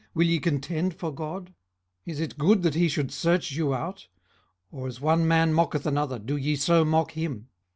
will ye contend for God? 18:013:009 Is it good that he should search you out? or as one man mocketh another, do ye so mock him?